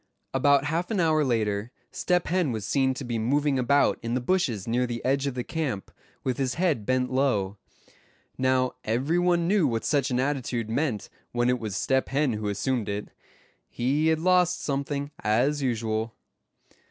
About half an hour later Step Hen was seen to be moving about in the bushes near the edge of the camp, with his head bent low. Now, every one knew what such an attitude meant when it was Step Hen who assumed it. He had lost something, as usual.